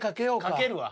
懸けるわ。